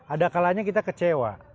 ada kalanya kita kecewa